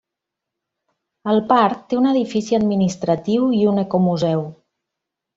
El parc té un edifici administratiu i un ecomuseu.